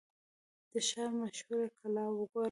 د ښار مشهوره کلا وګورم.